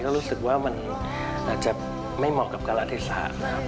ก็รู้สึกว่ามันอาจจะไม่เหมาะกับการอเทศภาพ